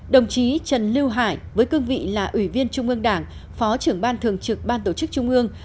đồng chí trần lưu hải với cương vị là ủy viên trung ương đảng phó trưởng ban thường trực ban tổ chức trung ương